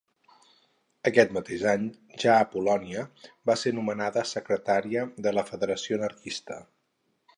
Aquest mateix any, ja a Polònia, va ser nomenada secretària de la Federació Anarquista.